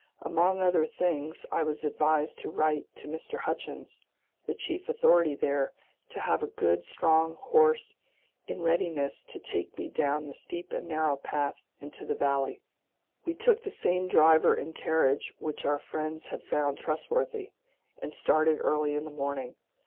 Among other things, I was advised to write to Mr. Hutchins, the chief authority there, to have a good, strong horse in readiness to take me down the steep and narrow path into the valley. We took the same driver and carriage which our friends had found trustworthy, and started early in the morning.